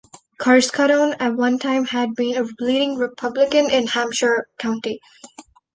Carskadon at one time had been a leading Republican in Hampshire County.